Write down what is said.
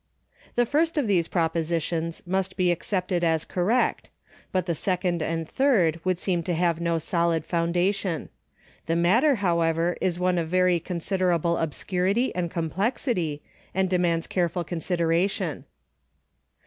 The first of these propositions must be accepted as correct, but the second and third would seem to have no solid foundation. The matter, however, is one of very considerable obscurity and complexity, and de mands careful consideration.